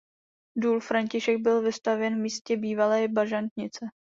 Důl František byl vystavěn v místě bývalé bažantnice.